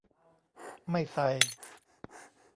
ไม่ใส่